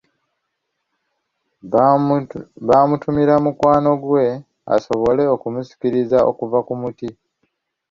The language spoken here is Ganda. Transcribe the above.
Baamutumira mukwano gwe asobole okumusikiriza okuva ku muti.